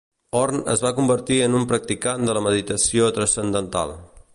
Horn es va convertir en un practicant de la meditació transcendental.